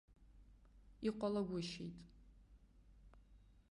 Иҟалагәышьеит.